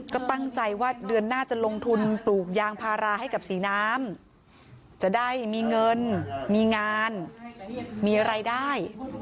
ก็ตั้งใจว่าเดือนหน้าจะลงทุนปลูกยางพาราให้กับศรีน้ำจะได้มีเงินมีงานมีรายได้